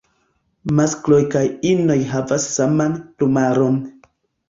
Maskloj kaj inoj havas saman plumaron.